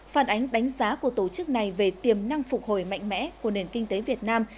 phản ánh đánh giá của tổ chức này về tiềm năng phục hồi mạnh mẽ của nền kinh tế việt nam